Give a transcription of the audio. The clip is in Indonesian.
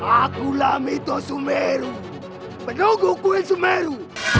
aku lamito sumeru penunggu kuil sumeru